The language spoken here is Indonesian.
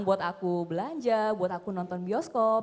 buat aku belanja buat aku nonton bioskop